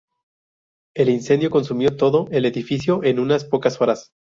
El incendio consumió todo el edificio en unas pocas horas.